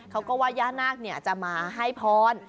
เขาก็ว่าย่านาคจะมาให้พร